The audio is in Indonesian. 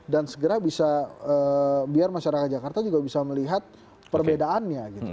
dan segera bisa biar masyarakat jakarta juga bisa melihat perbedaannya